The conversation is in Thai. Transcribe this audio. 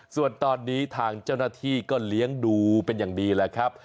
ส่วนตอนนี้ทางเจ้าหน้าที่ก็เลี้ยงดูเป็นอย่างดีแหละครับ